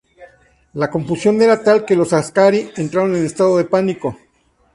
La confusión era tal que los askari entraron en estado de pánico.